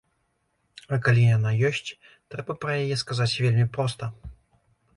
А калі яна ёсць, трэба пра яе сказаць вельмі проста.